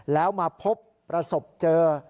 แล้วมาพบประสบเจอ